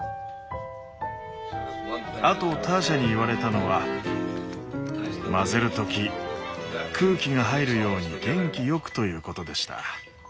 あとターシャに言われたのは混ぜるとき空気が入るように元気よくということでした。